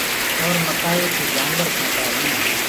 اور مڪآئي يو ڪوُ جآنور کآندآ هينٚ۔